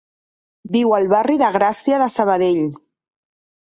Viu al barri de Gràcia de Sabadell.